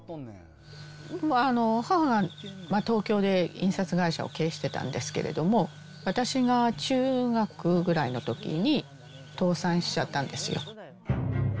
母が東京で印刷会社を経営してたんですけども、私が中学ぐらいのときに倒産しちゃったんですよ。